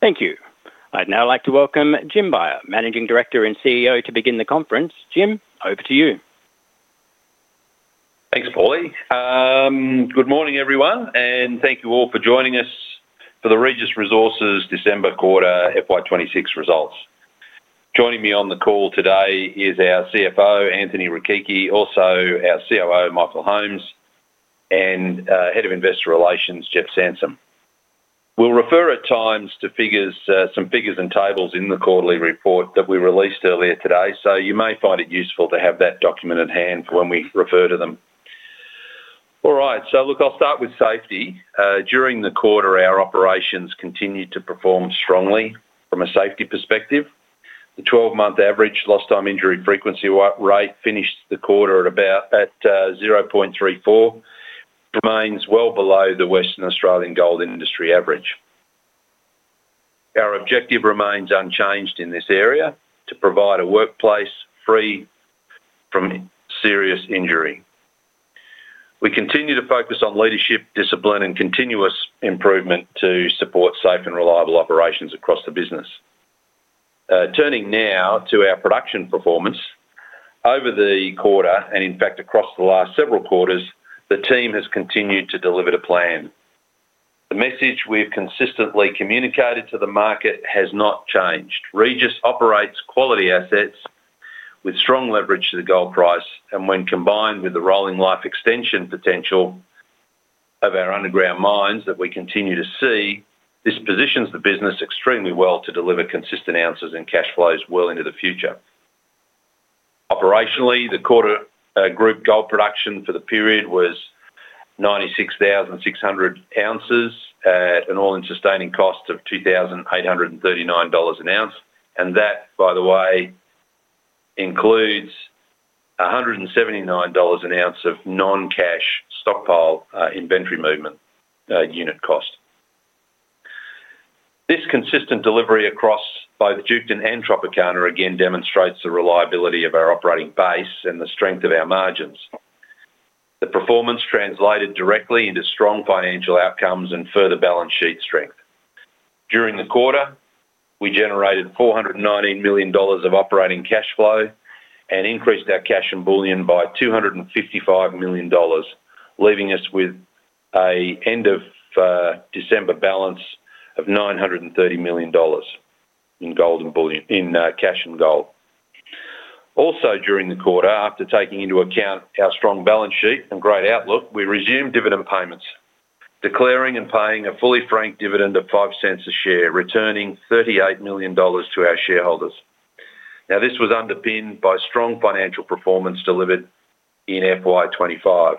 Thank you. I'd now like to welcome Jim Beyer, Managing Director and CEO, to begin the conference. Jim, over to you. Thanks, Paulie. Good morning, everyone, and thank you all for joining us for the Regis Resources December Quarter FY 2026 results. Joining me on the call today is our CFO, Anthony Rechichi, also our COO, Michael Holmes, and Head of Investor Relations, Jeff Sansom. We'll refer at times to some figures and tables in the quarterly report that we released earlier today, so you may find it useful to have that document at hand for when we refer to them. All right, so look, I'll start with safety. During the quarter, our operations continued to perform strongly from a safety perspective. The 12-month average lost time injury frequency rate finished the quarter at 0.34. It remains well below the Western Australian gold industry average. Our objective remains unchanged in this area to provide a workplace free from serious injury. We continue to focus on leadership, discipline, and continuous improvement to support safe and reliable operations across the business. Turning now to our production performance, over the quarter, and in fact across the last several quarters, the team has continued to deliver the plan. The message we've consistently communicated to the market has not changed. Regis operates quality assets with strong leverage to the gold price, and when combined with the rolling life extension potential of our underground mines that we continue to see, this positions the business extremely well to deliver consistent ounces in cash flows well into the future. Operationally, the quarter group gold production for the period was 96,600 ounces at an All-in Sustaining Cost of 2,839 dollars an ounce, and that, by the way, includes 179 dollars an ounce of non-cash stockpile inventory movement unit cost. This consistent delivery across both Duketon and Tropicana again demonstrates the reliability of our operating base and the strength of our margins. The performance translated directly into strong financial outcomes and further balance sheet strength. During the quarter, we generated 419 million dollars of operating cash flow and increased our cash and bullion by 255 million dollars, leaving us with an end-of-December balance of 930 million dollars in cash and gold. Also, during the quarter, after taking into account our strong balance sheet and great outlook, we resumed dividend payments, declaring and paying a fully franked dividend of 0.05 a share, returning 38 million dollars to our shareholders. Now, this was underpinned by strong financial performance delivered in FY2025.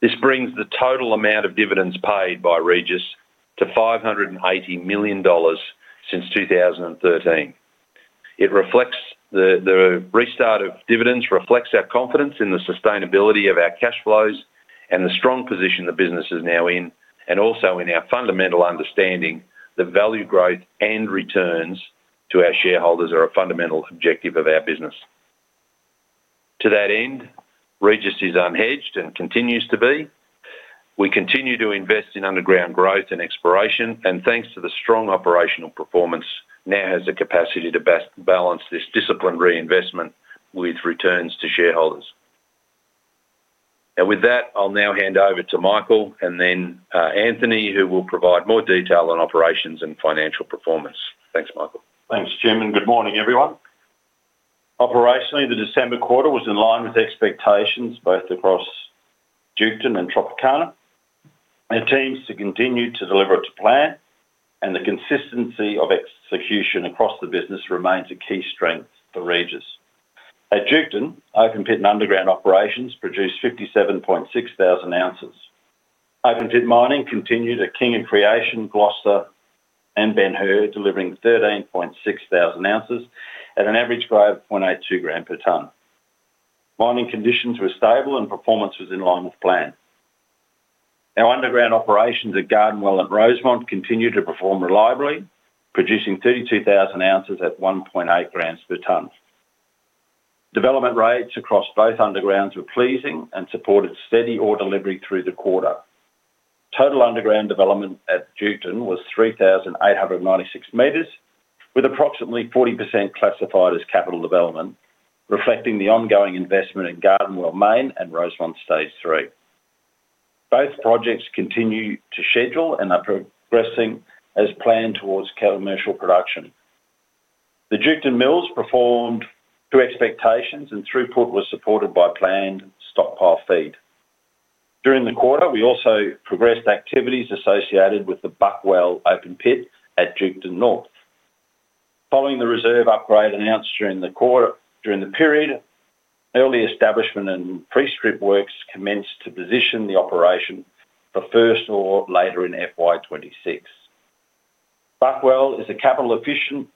This brings the total amount of dividends paid by Regis to 580 million dollars since 2013. The restart of dividends reflects our confidence in the sustainability of our cash flows and the strong position the business is now in, and also in our fundamental understanding that value growth and returns to our shareholders are a fundamental objective of our business. To that end, Regis is unhedged and continues to be. We continue to invest in underground growth and exploration, and thanks to the strong operational performance, now has the capacity to balance this disciplined reinvestment with returns to shareholders. And with that, I'll now hand over to Michael and then Anthony, who will provide more detail on operations and financial performance. Thanks, Michael. Thanks, Jim, and good morning, everyone. Operationally, the December quarter was in line with expectations both across Duketon and Tropicana. Our teams continue to deliver to plan, and the consistency of execution across the business remains a key strength for Regis. At Duketon, open-pit and underground operations produced 57.6 thousand ounces. Open-pit mining continued at King of Creation, Gloster, and Ben-Hur, delivering 13.6 thousand ounces at an average grade of 0.82 gram per tonne. Mining conditions were stable, and performance was in line with plan. Our underground operations at Gardenwell and Rosemont continued to perform reliably, producing 32,000 ounces at 1.8 grams per tonne. Development rates across both undergrounds were pleasing and supported steady ore delivery through the quarter. Total underground development at Duketon was 3,896 meters, with approximately 40% classified as capital development, reflecting the ongoing investment in Gardenwell Main and Rosemont Stage 3. Both projects continue to schedule and are progressing as planned towards commercial production. The Duketon mills performed to expectations, and throughput was supported by planned stockpile feed. During the quarter, we also progressed activities associated with the Buckwell open-pit at Duketon North. Following the reserve upgrade announced during the period, early establishment and pre-strip works commenced to position the operation for first ore later in FY 2026. Buckwell is a capital-efficient,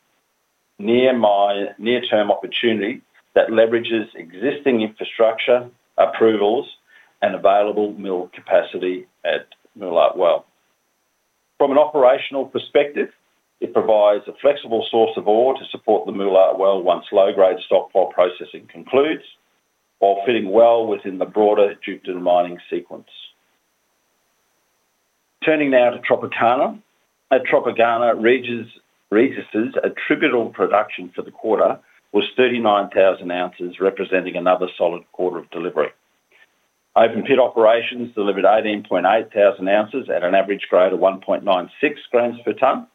near-term opportunity that leverages existing infrastructure, approvals, and available mill capacity at Moolart Well. From an operational perspective, it provides a flexible source of ore to support the Moolart Well once low-grade stockpile processing concludes, while fitting well within the broader Duketon mining sequence. Turning now to Tropicana, at Tropicana, Regis's attributable production for the quarter was 39,000 ounces, representing another solid quarter of delivery. Open-pit operations delivered 18.8 thousand ounces at an average grade of 1.96 grams per tonne,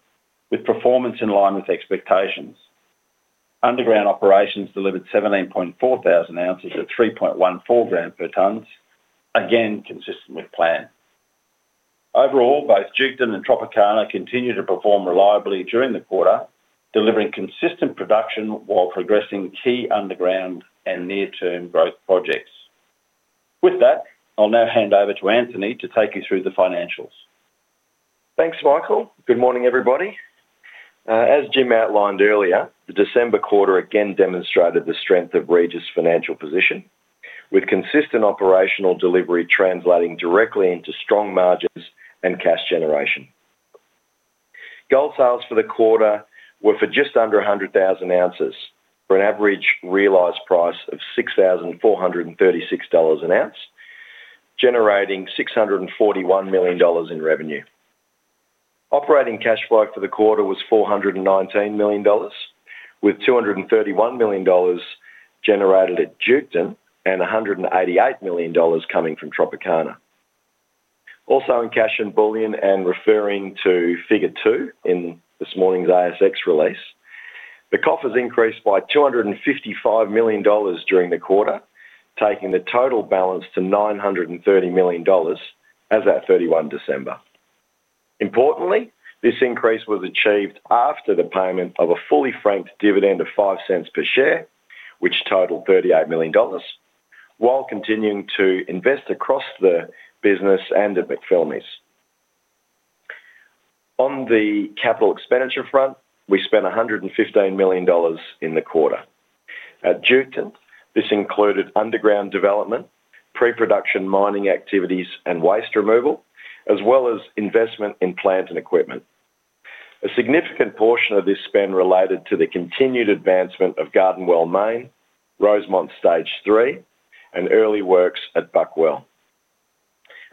with performance in line with expectations. Underground operations delivered 17.4 thousand ounces at 3.14 grams per tonne, again consistent with plan. Overall, both Duketon and Tropicana continue to perform reliably during the quarter, delivering consistent production while progressing key underground and near-term growth projects. With that, I'll now hand over to Anthony to take you through the financials. Thanks, Michael. Good morning, everybody. As Jim outlined earlier, the December quarter again demonstrated the strength of Regis's financial position, with consistent operational delivery translating directly into strong margins and cash generation. Gold sales for the quarter were for just under 100,000 ounces, for an average realized price of 6,436 dollars an ounce, generating 641 million dollars in revenue. Operating cash flow for the quarter was 419 million dollars, with 231 million dollars generated at Duketon and 188 million dollars coming from Tropicana. Also in cash and bullion, and referring to figure two in this morning's ASX release, the coffers increased by 255 million dollars during the quarter, taking the total balance to 930 million dollars as of 31 December. Importantly, this increase was achieved after the payment of a fully franked dividend of 0.05 per share, which totaled 38 million dollars, while continuing to invest across the business and at McPhillamys. On the capital expenditure front, we spent 115 million dollars in the quarter. At Duketon, this included underground development, pre-production mining activities, and waste removal, as well as investment in plant and equipment. A significant portion of this spend related to the continued advancement of Gardenwell Main, Rosemont Stage 3, and early works at Buckwell.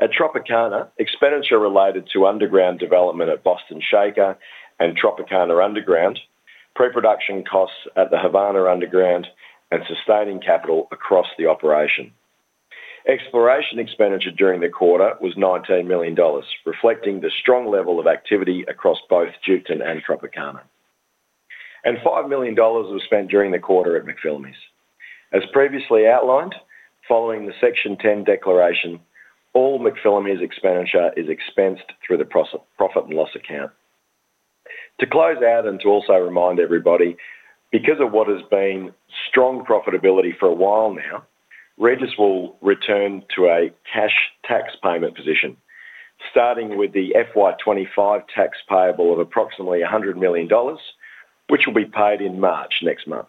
At Tropicana, expenditure related to underground development at Boston Shaker and Havana Underground, pre-production costs at the Havana Underground, and sustaining capital across the operation. Exploration expenditure during the quarter was 19 million dollars, reflecting the strong level of activity across both Duketon and Tropicana, and 5 million dollars was spent during the quarter at McPhillamys. As previously outlined, following the Section 10 declaration, all McPhillamys expenditure is expensed through the profit and loss account. To close out and to also remind everybody, because of what has been strong profitability for a while now, Regis will return to a cash tax payment position, starting with the FY 2025 tax payable of approximately 100 million dollars, which will be paid in March next month.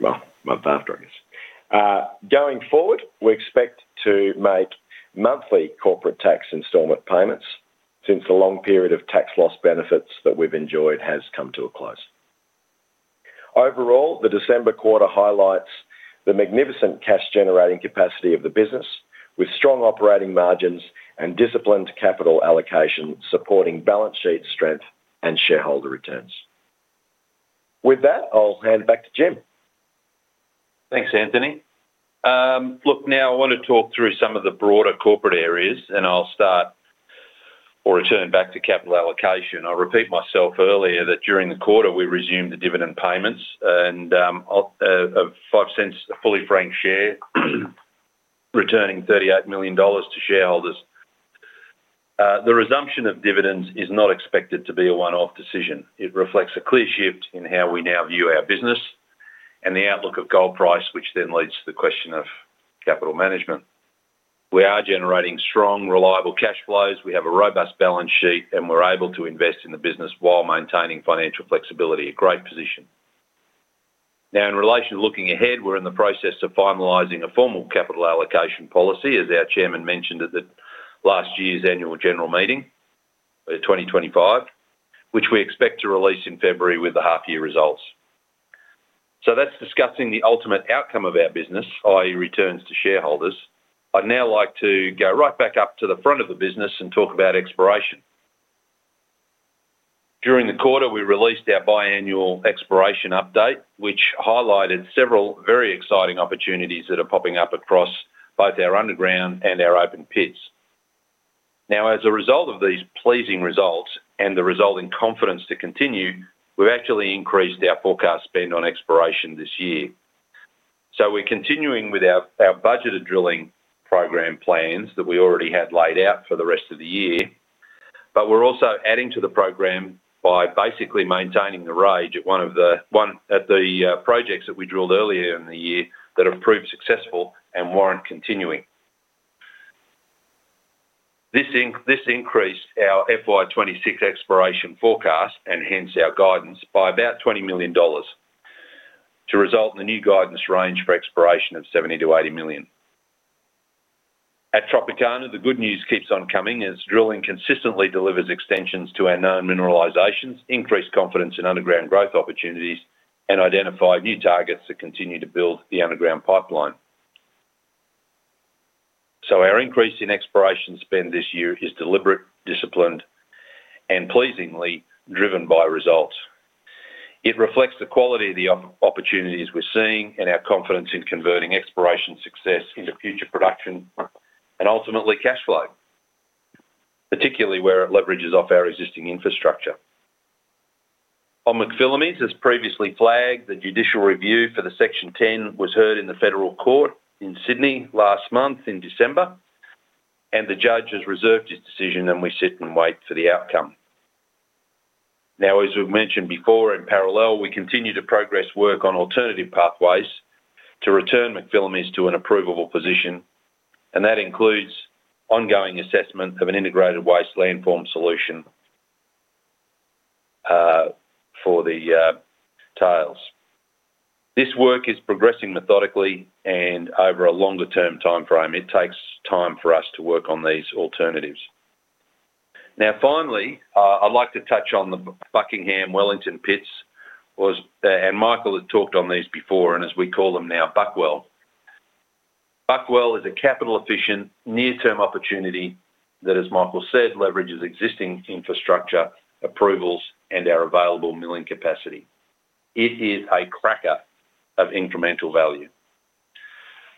Well, month after, I guess. Going forward, we expect to make monthly corporate tax installment payments since the long period of tax loss benefits that we've enjoyed has come to a close. Overall, the December quarter highlights the magnificent cash-generating capacity of the business, with strong operating margins and disciplined capital allocation supporting balance sheet strength and shareholder returns. With that, I'll hand back to Jim. Thanks, Anthony. Look, now I want to talk through some of the broader corporate areas, and I'll start or return back to capital allocation. I repeat myself earlier that during the quarter, we resumed the dividend payments and of 0.05 a fully franked share, returning 38 million dollars to shareholders. The resumption of dividends is not expected to be a one-off decision. It reflects a clear shift in how we now view our business and the outlook of gold price, which then leads to the question of capital management. We are generating strong, reliable cash flows. We have a robust balance sheet, and we're able to invest in the business while maintaining financial flexibility. A great position. Now, in relation to looking ahead, we're in the process of finalizing a formal capital allocation policy, as our chairman mentioned at last year's annual general meeting for 2025, which we expect to release in February with the half-year results. So that's discussing the ultimate outcome of our business, i.e., returns to shareholders. I'd now like to go right back up to the front of the business and talk about exploration. During the quarter, we released our biannual exploration update, which highlighted several very exciting opportunities that are popping up across both our underground and our open pits. Now, as a result of these pleasing results and the resulting confidence to continue, we've actually increased our forecast spend on exploration this year. So we're continuing with our budgeted drilling program plans that we already had laid out for the rest of the year, but we're also adding to the program by basically maintaining the rig at one of the projects that we drilled earlier in the year that have proved successful and warrant continuing. This increased our FY 2026 exploration forecast and hence our guidance by about 20 million dollars to result in the new guidance range for exploration of 70 million-80 million. At Tropicana, the good news keeps on coming as drilling consistently delivers extensions to our known mineralizations, increased confidence in underground growth opportunities, and identified new targets to continue to build the underground pipeline. So our increase in exploration spend this year is deliberate, disciplined, and pleasingly driven by results. It reflects the quality of the opportunities we're seeing and our confidence in converting exploration success into future production and ultimately cash flow, particularly where it leverages off our existing infrastructure. On McPhillamys, as previously flagged, the judicial review for the Section 10 was heard in the Federal Court in Sydney last month in December, and the judge has reserved his decision, and we sit and wait for the outcome. Now, as we've mentioned before, in parallel, we continue to progress work on alternative pathways to return McPhillamys to an approvable position, and that includes ongoing assessment of an integrated waste landform solution for the tailings. This work is progressing methodically and over a longer-term time frame. It takes time for us to work on these alternatives. Now, finally, I'd like to touch on the Buckingham-Wellington pits, and Michael had talked on these before, and as we call them now, Buckwell. Buckwell is a capital-efficient, near-term opportunity that, as Michael said, leverages existing infrastructure, approvals, and our available milling capacity. It is a cracker of incremental value.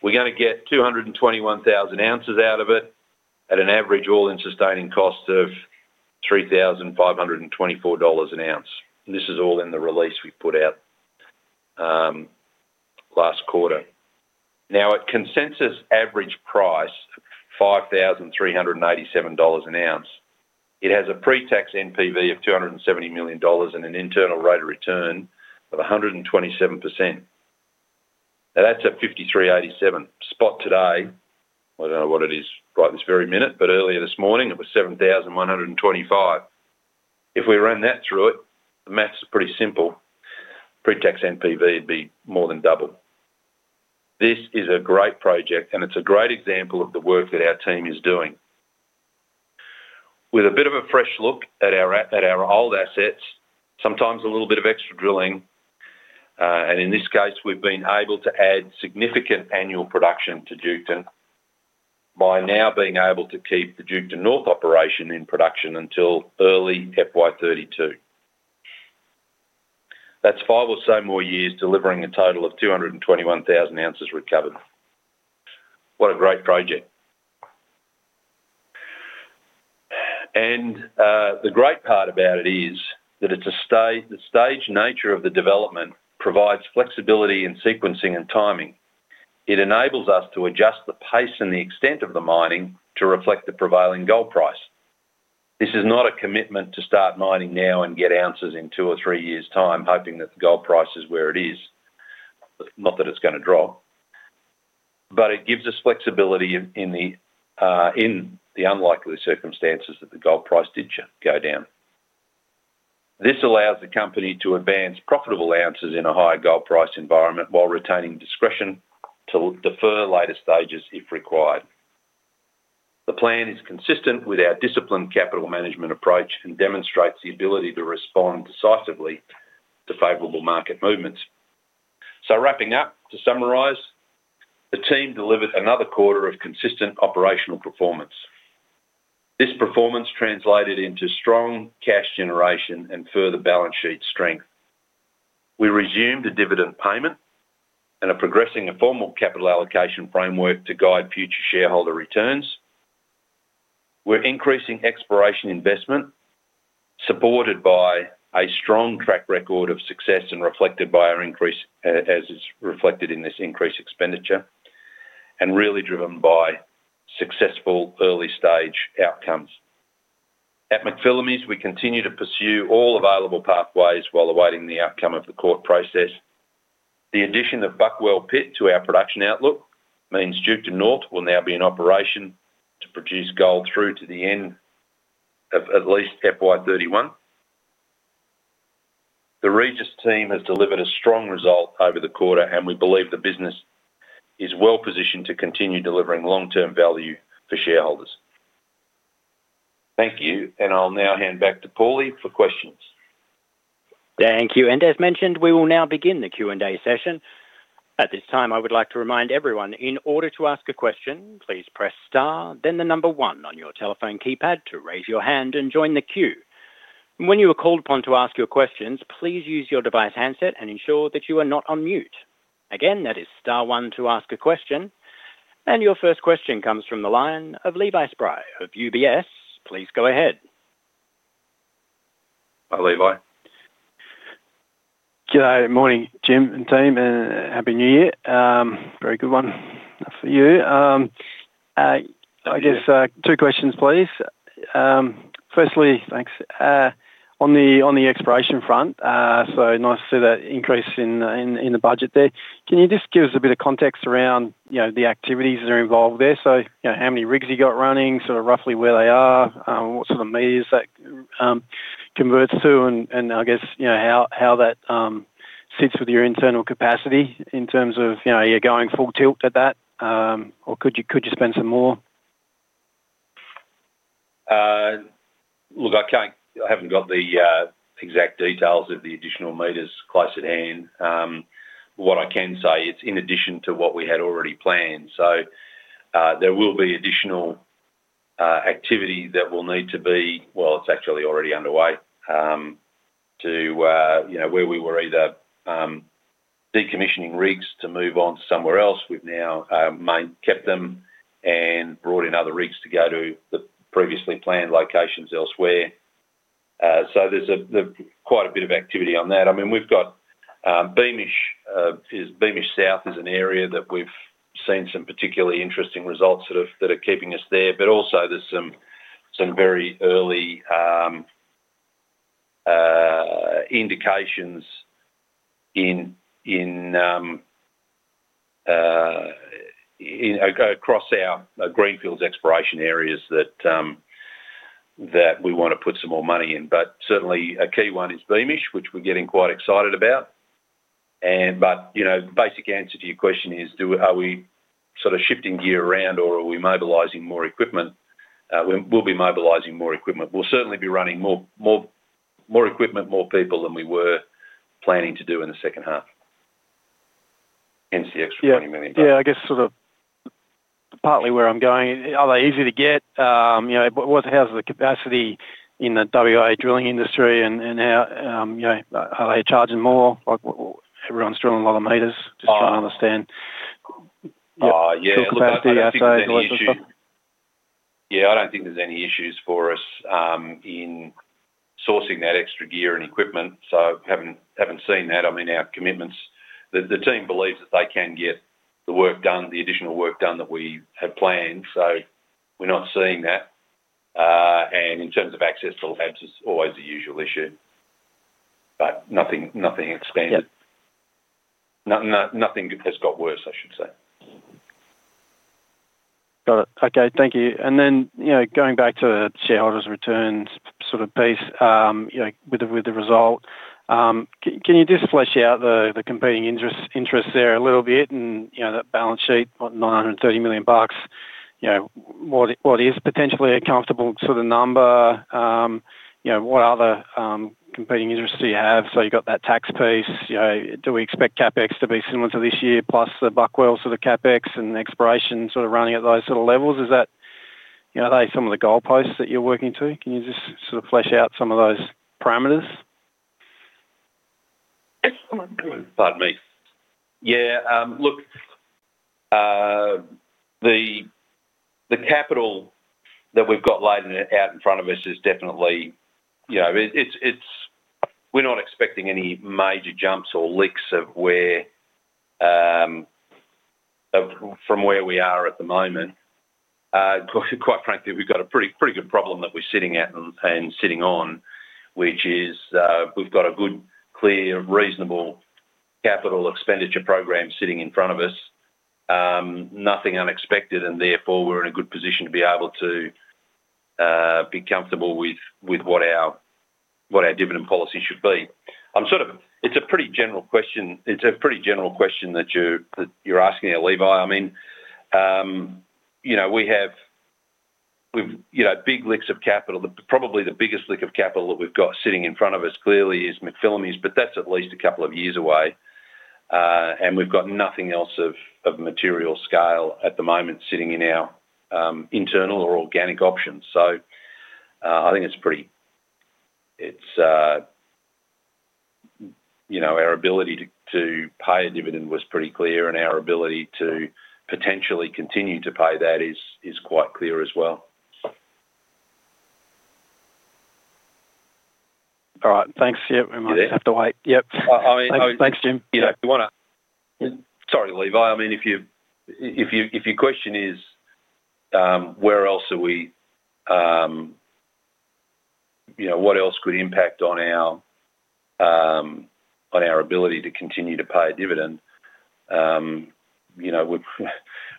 We're going to get 221,000 ounces out of it at an average all-in sustaining cost of $3,524 an ounce. This is all in the release we put out last quarter. Now, at consensus average price of $5,387 an ounce, it has a pre-tax NPV of $270 million and an internal rate of return of 127%. Now, that's a 5,387 spot today. I don't know what it is right this very minute, but earlier this morning, it was 7,125. If we run that through it, the math is pretty simple. Pre-tax NPV would be more than double. This is a great project, and it's a great example of the work that our team is doing. With a bit of a fresh look at our old assets, sometimes a little bit of extra drilling, and in this case, we've been able to add significant annual production to Duketon by now being able to keep the Duketon North operation in production until early FY 2032. That's five or so more years delivering a total of 221,000 ounces recovered. What a great project. And the great part about it is that the staged nature of the development provides flexibility in sequencing and timing. It enables us to adjust the pace and the extent of the mining to reflect the prevailing gold price. This is not a commitment to start mining now and get ounces in two or three years' time, hoping that the gold price is where it is, not that it's going to drop. But it gives us flexibility in the unlikely circumstances that the gold price did go down. This allows the company to advance profitable ounces in a higher gold price environment while retaining discretion to defer later stages if required. The plan is consistent with our disciplined capital management approach and demonstrates the ability to respond decisively to favorable market movements. So wrapping up, to summarize, the team delivered another quarter of consistent operational performance. This performance translated into strong cash generation and further balance sheet strength. We resumed the dividend payment and are progressing a formal capital allocation framework to guide future shareholder returns. We're increasing exploration investment, supported by a strong track record of success and reflected by our increase, as is reflected in this increased expenditure, and really driven by successful early-stage outcomes. At McPhillamys, we continue to pursue all available pathways while awaiting the outcome of the court process. The addition of Buckwell pit to our production outlook means Duketon North will now be in operation to produce gold through to the end of at least FY 2031. The Regis team has delivered a strong result over the quarter, and we believe the business is well positioned to continue delivering long-term value for shareholders. Thank you, and I'll now hand back to Paulie for questions. Thank you. And as mentioned, we will now begin the Q&A session. At this time, I would like to remind everyone, in order to ask a question, please press star, then the number one on your telephone keypad to raise your hand and join the queue. When you are called upon to ask your questions, please use your device handset and ensure that you are not on mute. Again, that is star one to ask a question. And your first question comes from the line of Levi Spry of UBS. Please go ahead. Hi, Levi. Good morning, Jim and team, and happy new year. Very good one for you. I guess two questions, please. Firstly, thanks. On the exploration front, so nice to see that increase in the budget there. Can you just give us a bit of context around the activities that are involved there? So how many rigs you got running, sort of roughly where they are, what sort of meters that converts to, and I guess how that sits with your internal capacity in terms of are you going full tilt at that, or could you spend some more? Look, I haven't got the exact details of the additional meters close at hand. What I can say, it's in addition to what we had already planned. So there will be additional activity that will need to be, well, it's actually already underway, to where we were either decommissioning rigs to move on to somewhere else. We've now kept them and brought in other rigs to go to the previously planned locations elsewhere. So there's quite a bit of activity on that. I mean, we've got Beamish South as an area that we've seen some particularly interesting results that are keeping us there, but also there's some very early indications across our greenfields exploration areas that we want to put some more money in. But certainly, a key one is Beamish, which we're getting quite excited about. But the basic answer to your question is, are we sort of shifting gear around, or are we mobilizing more equipment? We'll be mobilizing more equipment. We'll certainly be running more equipment, more people than we were planning to do in the second half hence the extra AUD 20 million. Yeah, I guess sort of partly where I'm going, are they easy to get? How's the capacity in the WA drilling industry, and are they charging more? Everyone's drilling a lot of meters, just trying to understand. Yeah, capacity, I'd say. Yeah, I don't think there's any issues for us in sourcing that extra gear and equipment. So haven't seen that. I mean, our commitments, the team believes that they can get the work done, the additional work done that we had planned. So we're not seeing that. And in terms of access to labs, it's always the usual issue. But nothing has got worse, I should say. Got it. Okay, thank you. And then going back to the shareholders' returns sort of piece with the result, can you just flesh out the competing interests there a little bit and that balance sheet, what, 930 million bucks? What is potentially a comfortable sort of number? What other competing interests do you have? So you've got that tax piece. Do we expect CapEx to be similar to this year, plus the Buckwell sort of CapEx and exploration sort of running at those sort of levels? Are they some of the goalposts that you're working to? Can you just sort of flesh out some of those parameters? Pardon me. Yeah, look, the capital that we've got laid out in front of us is definitely - we're not expecting any major jumps or leaks from where we are at the moment. Quite frankly, we've got a pretty good problem that we're sitting at and sitting on, which is we've got a good, clear, reasonable capital expenditure program sitting in front of us. Nothing unexpected, and therefore, we're in a good position to be able to be comfortable with what our dividend policy should be. It's a pretty general question. It's a pretty general question that you're asking here, Levi. I mean, we have big leaks of capital. Probably the biggest leak of capital that we've got sitting in front of us clearly is McPhillamys, but that's at least a couple of years away. We've got nothing else of material scale at the moment sitting in our internal or organic options. I think it's pretty - it's our ability to pay a dividend was pretty clear, and our ability to potentially continue to pay that is quite clear as well. All right. Thanks. Yep, we might have to wait. Yep. I mean. Thanks, Jim. Yeah, if you want to, sorry, Levi. I mean, if your question is where else are we, what else could impact on our ability to continue to pay a dividend?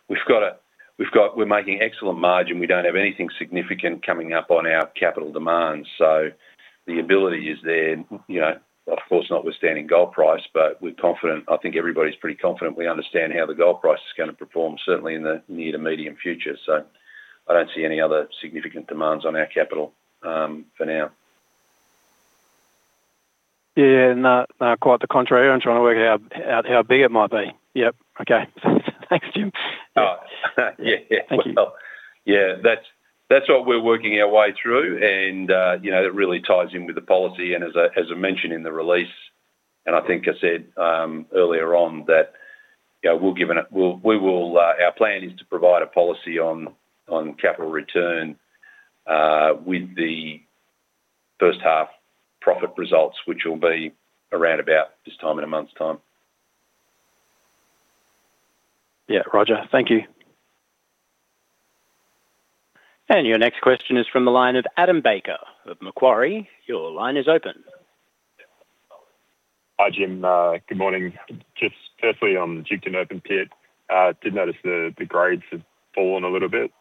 We've got a, we're making excellent margin. We don't have anything significant coming up on our capital demands. So the ability is there. Of course, notwithstanding gold price, but we're confident. I think everybody's pretty confident. We understand how the gold price is going to perform, certainly in the near to medium future. So I don't see any other significant demands on our capital for now. Yeah, no, quite the contrary. I'm trying to work out how big it might be. Yep. Okay. Thanks, Jim. All right. Yeah, yeah. Thank you. Yeah, that's what we're working our way through, and it really ties in with the policy. And as I mentioned in the release, and I think I said earlier on that we'll give our plan is to provide a policy on capital return with the first half profit results, which will be around about this time in a month's time. Yeah, Roger. Thank you. Your next question is from the line of Adam Baker of Macquarie. Your line is open. Hi, Jim. Good morning. Just firstly, on the Duketon open-pit, I did notice the grades have fallen a little bit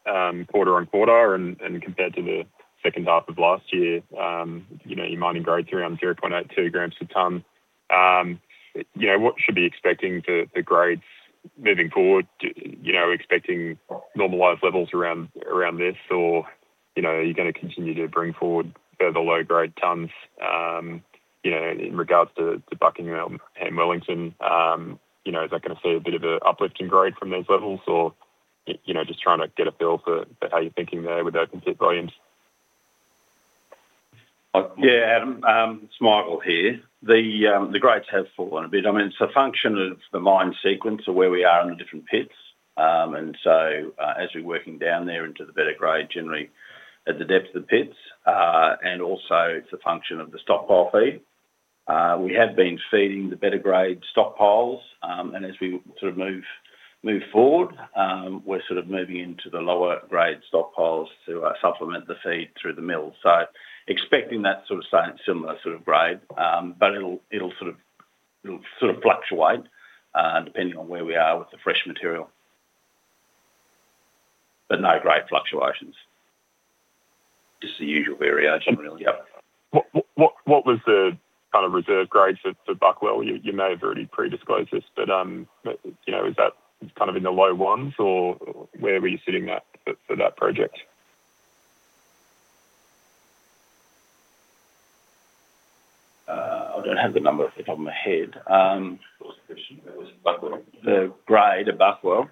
quarter on quarter and compared to the second half of last year. Your mining grade's around 0.82 grams per tonne. What should we be expecting for the grades moving forward? Expecting normalized levels around this, or are you going to continue to bring forward further low-grade tonnes in regards to Buckingham and Wellington? Is that going to see a bit of an uplift in grade from those levels, or just trying to get a feel for how you're thinking there with open pit volumes? Yeah, Adam, Michael here. The grades have fallen a bit. I mean, it's a function of the mine sequence of where we are in the different pits. And so as we're working down there into the better grade, generally at the depth of the pits, and also it's a function of the stockpile feed. We have been feeding the better-grade stockpiles, and as we sort of move forward, we're sort of moving into the lower-grade stockpiles to supplement the feed through the mill. So expecting that sort of similar sort of grade, but it'll sort of fluctuate depending on where we are with the fresh material, but no great fluctuations. Just the usual variation, really. What was the kind of reserve grades for Buckwell? You may have already pre-disclosed this, but is that kind of in the low ones, or where were you sitting that for that project? I don't have the number off the top of my head. The grade of Buckwell?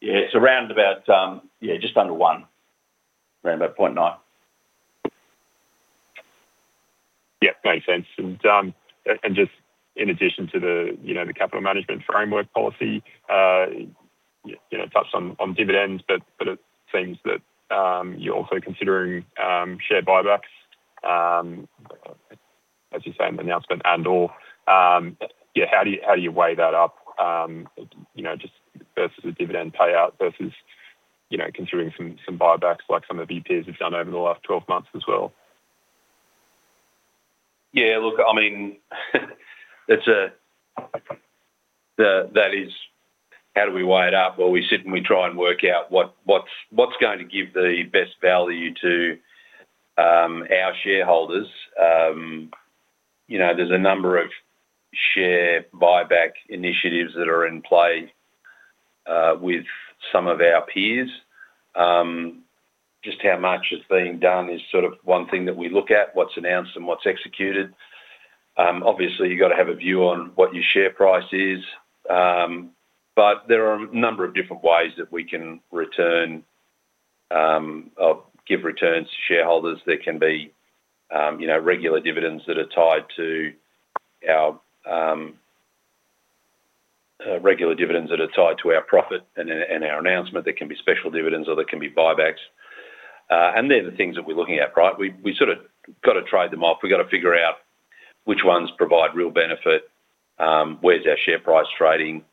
Yeah, it's around about, yeah, just under one, around about 0.9. Yeah, makes sense. And just in addition to the capital management framework policy, you touched on dividends, but it seems that you're also considering share buybacks, as you say in the announcement, and/or how do you weigh that up just versus a dividend payout versus considering some buybacks like some of your peers have done over the last 12 months as well? Yeah, look, I mean, that is. How do we weigh it up? We sit and we try and work out what's going to give the best value to our shareholders. There's a number of share buyback initiatives that are in play with some of our peers. Just how much is being done is sort of one thing that we look at, what's announced and what's executed. Obviously, you've got to have a view on what your share price is. But there are a number of different ways that we can return or give returns to shareholders. There can be regular dividends that are tied to our profit and our announcement. There can be special dividends or there can be buybacks. And they're the things that we're looking at, right? We've sort of got to trade them off. We've got to figure out which ones provide real benefit, where's our share price trading?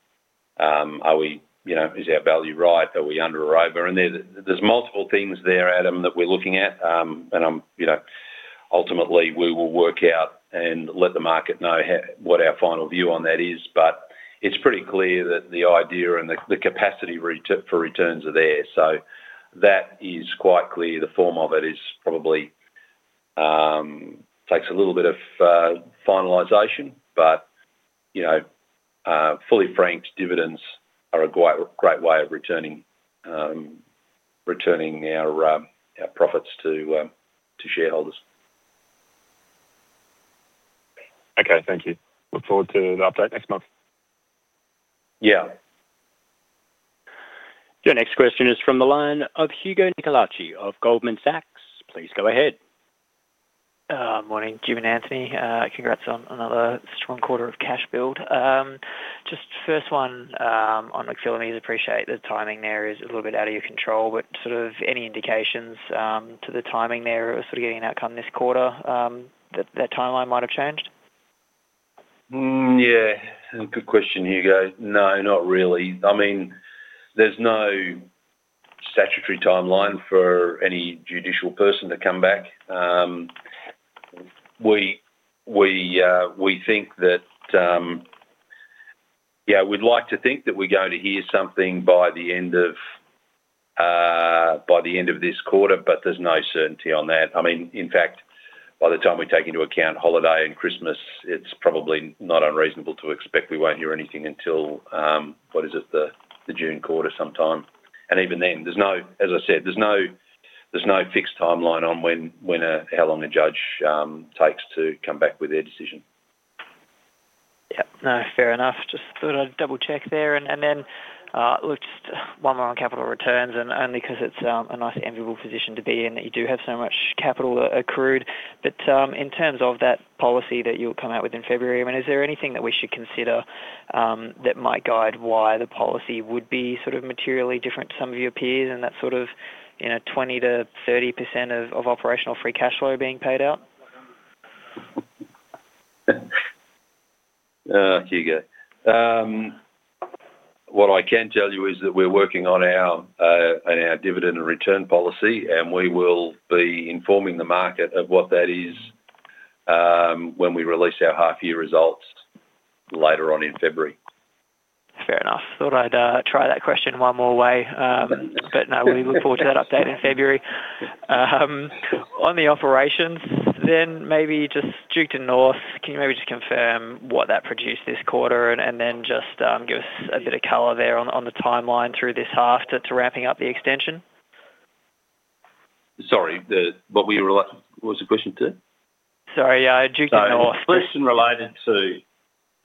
Is our value right? Are we under or over? And there's multiple things there, Adam, that we're looking at. And ultimately, we will work out and let the market know what our final view on that is. But it's pretty clear that the idea and the capacity for returns are there. So that is quite clear. The form of it is probably takes a little bit of finalization, but fully franked dividends are a great way of returning our profits to shareholders. Okay, thank you. Look forward to the update next month. Yeah. Your next question is from the line of Hugo Nicolaci of Goldman Sachs. Please go ahead. Morning, Jim and Anthony. Congrats on another strong quarter of cash build. Just first one on McPhillamys, appreciate the timing there is a little bit out of your control, but sort of any indications to the timing there of sort of getting an outcome this quarter that that timeline might have changed? Yeah, good question, Hugo. No, not really. I mean, there's no statutory timeline for any judicial person to come back. We think that, yeah, we'd like to think that we're going to hear something by the end of this quarter, but there's no certainty on that. I mean, in fact, by the time we take into account holiday and Christmas, it's probably not unreasonable to expect we won't hear anything until, what is it, the June quarter sometime. And even then, as I said, there's no fixed timeline on how long a judge takes to come back with their decision. Yeah, no, fair enough. Just thought I'd double-check there. And then just one more on capital returns, and only because it's a nice enviable position to be in that you do have so much capital accrued. But in terms of that policy that you'll come out with in February, I mean, is there anything that we should consider that might guide why the policy would be sort of materially different to some of your peers and that sort of 20%-30% of operational free cash flow being paid out? Hugo, what I can tell you is that we're working on our dividend and return policy, and we will be informing the market of what that is when we release our half-year results later on in February. Fair enough. Thought I'd try that question one more way. But no, we look forward to that update in February. On the operations then, maybe just Duketon North, can you maybe just confirm what that produced this quarter and then just give us a bit of color there on the timeline through this half to ramping up the extension? Sorry, what was the question? Sorry, Duketon North. Question related to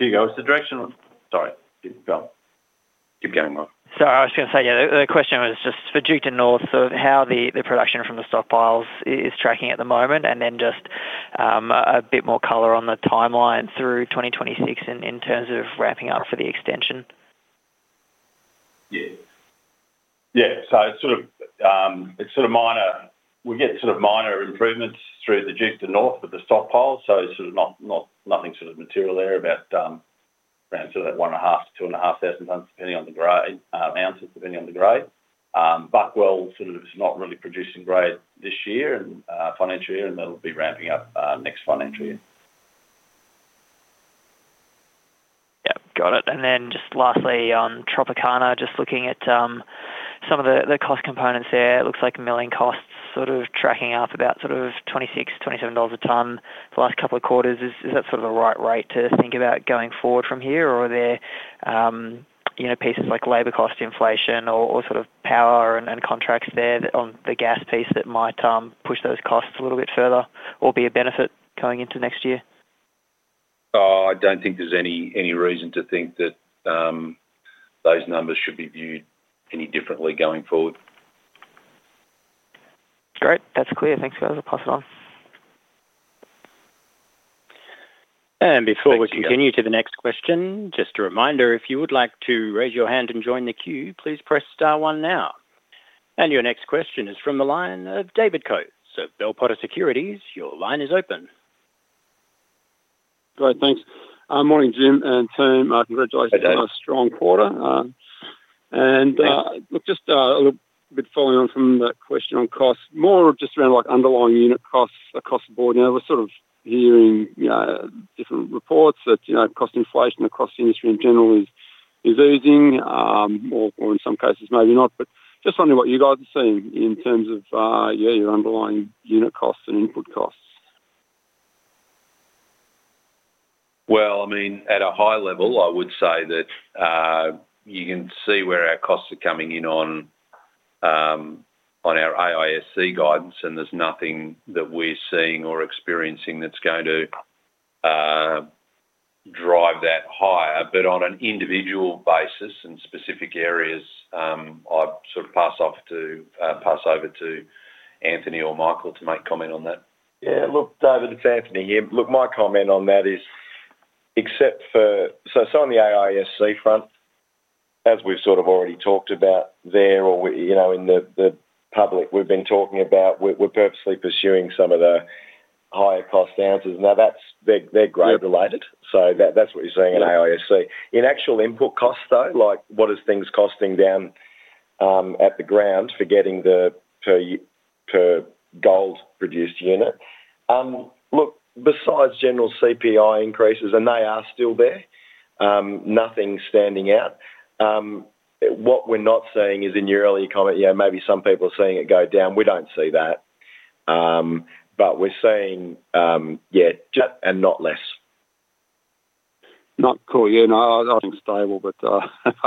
Hugo, was the direction sorry, keep going. Keep going on. Sorry, I was just going to say, yeah, the question was just for Duketon North, so how the production from the stockpiles is tracking at the moment, and then just a bit more color on the timeline through 2026 in terms of ramping up for the extension. Yeah. Yeah, so it's sort of minor. We get sort of minor improvements through the Duketon North with the stockpiles, so sort of nothing sort of material there about around sort of that one and a half to two and a half thousand tons depending on the grade, ounces depending on the grade. Buckwell sort of is not really producing grade this year and financial year, and they'll be ramping up next financial year. Yep, got it. And then just lastly on Tropicana, just looking at some of the cost components there, it looks like milling costs sort of tracking up about sort of 26 dollars, AUD 27 a tonne the last couple of quarters. Is that sort of the right rate to think about going forward from here, or are there pieces like labor cost inflation or sort of power and contracts there on the gas piece that might push those costs a little bit further or be a benefit going into next year? I don't think there's any reason to think that those numbers should be viewed any differently going forward. Great. That's clear. Thanks, guys. I'll pass it on. Before we continue to the next question, just a reminder, if you would like to raise your hand and join the queue, please press star one now. Your next question is from the line of David Coates of Bell Potter Securities, your line is open. All right, thanks. Morning, Jim and team. Congratulations on a strong quarter. And look, just a little bit following on from that question on costs, more just around underlying unit costs across the board. We're sort of hearing different reports that cost inflation across the industry in general is oozing, or in some cases maybe not, but just wondering what you guys are seeing in terms of your underlying unit costs and input costs. Well, I mean, at a high level, I would say that you can see where our costs are coming in on our AISC guidance, and there's nothing that we're seeing or experiencing that's going to drive that higher. But on an individual basis and specific areas, I'd sort of pass over to Anthony or Michael to make a comment on that. Yeah, look, David, it's Anthony here. Look, my comment on that is, except for so on the AISC front, as we've sort of already talked about there or in the public, we've been talking about we're purposely pursuing some of the higher cost answers. Now, they're grade-related, so that's what you're seeing in AISC. In actual input costs, though, like what are things costing down at the ground for getting the per gold produced unit? Look, besides general CPI increases, and they are still there, nothing's standing out. What we're not seeing is in your earlier comment, maybe some people are seeing it go down. We don't see that. But we're seeing, yeah. And not less. Not cool. Yeah, no. Things stable, but I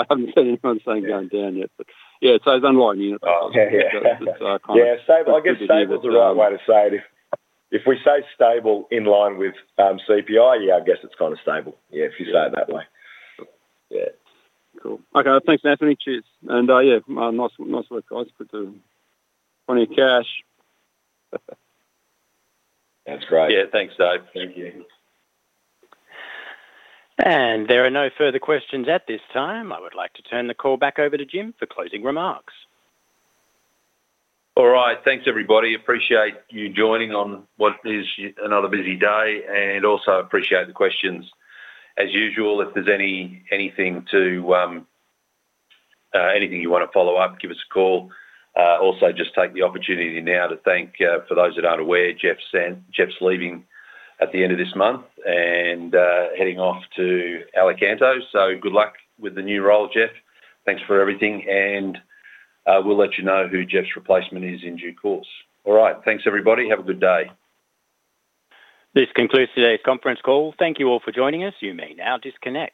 haven't seen anyone saying going down yet. But yeah, so it's underlying unit costs. Yeah, I guess stable is the right way to say it. If we say stable in line with CPI, yeah, I guess it's kind of stable, yeah, if you say it that way. Yeah. Cool. Okay, thanks, Anthony. Cheers. And yeah, nice work, guys. Good to money and cash. That's great. Yeah, thanks, Dave. Thank you. There are no further questions at this time. I would like to turn the call back over to Jim for closing remarks. All right, thanks, everybody. Appreciate you joining on what is another busy day and also appreciate the questions. As usual, if there's anything you want to follow up, give us a call. Also, just take the opportunity now to thank, for those that aren't aware, Jeff's leaving at the end of this month and heading off to Alicanto. So good luck with the new role, Jeff. Thanks for everything, and we'll let you know who Jeff's replacement is in due course. All right, thanks, everybody. Have a good day. This concludes today's conference call. Thank you all for joining us. You may now disconnect.